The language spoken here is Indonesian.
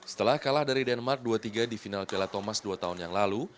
setelah kalah dari denmark dua tiga di final piala thomas dua tahun yang lalu